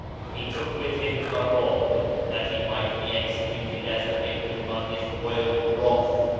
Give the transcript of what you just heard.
He took with him Quarad, that he might be executed as the victim of his royal wrath.